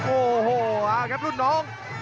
โอ้โหเอาครับรุ่นน้อง